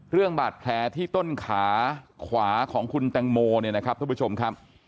เรื่องบาดแผลที่ต้นขาขวาของคุณแตงโมเนี่ยนะครับทุกผู้ชมครับ